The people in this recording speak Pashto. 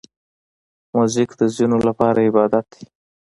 موزیک د ځینو لپاره عبادت دی.